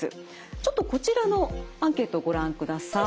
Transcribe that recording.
ちょっとこちらのアンケートをご覧ください。